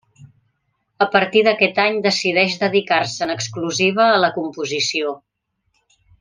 A partir d'aquest any decideix dedicar-se en exclusiva a la composició.